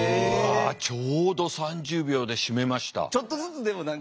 ちょうど３０秒で締めました。